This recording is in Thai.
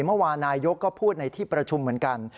เมื่อวานนายกก็พูดในที่ประชุมเหมือนกัน